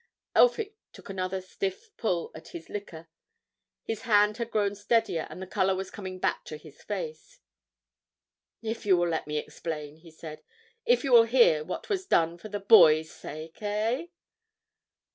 Elphick took another stiff pull at his liquor. His hand had grown steadier, and the colour was coming back to his face. "If you will let me explain," he said. "If you will hear what was done for the boy's sake—eh?"